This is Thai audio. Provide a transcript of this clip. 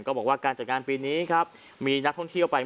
บอกว่าการจัดงานปีนี้ครับมีนักท่องเที่ยวไป